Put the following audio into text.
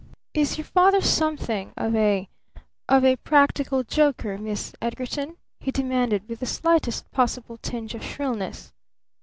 "Is your father something of a of a practical joker, Miss Edgarton?" he demanded with the slightest possible tinge of shrillness.